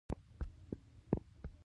زه ستاسي دواړو له لیدو څخه مړه شوې یم.